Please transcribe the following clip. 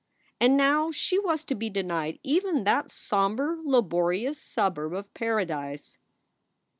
And now she was to be denied even that somber, laborious suburb of Paradise.